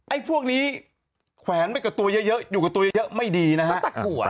พวกนี้แขวนไปกับตัวเยอะเยอะอยู่กับตัวเยอะไม่ดีนะฮะ